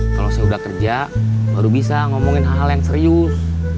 kalau saya udah kerja baru bisa ngomongin hal yang serius